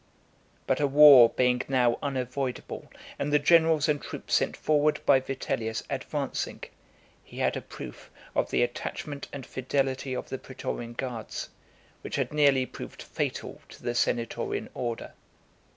But a war being now unavoidable, and the generals and troops sent forward by Vitellius, advancing, he had a proof of the attachment and fidelity of the pretorian guards, which had nearly proved fatal to the senatorian order.